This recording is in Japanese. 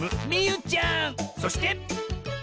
そして！